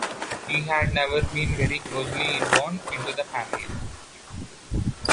He had never been very closely inbound into the family.